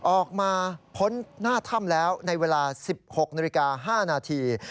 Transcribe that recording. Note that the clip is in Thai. ออกมาพ้นหน้าถ้ำแล้วในเวลา๑๖นาฬิกา๕นาที